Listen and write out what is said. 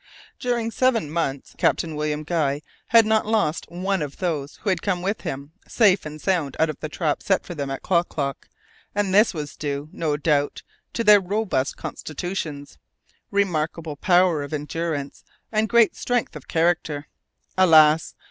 During seven months Captain William Guy had not lost one of those who had come with him safe and sound out of the trap set for them at Klock Klock, and this was due, no doubt, to their robust constitutions, remarkable power of endurance, and great strength of character. Alas!